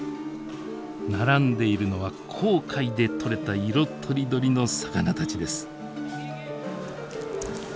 並んでいるのは紅海で取れた色とりどりの魚たちです。